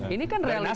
ini kan realitas